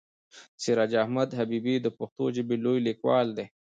سراج احمد حبیبي د پښتو ژبې لوی لیکوال دی.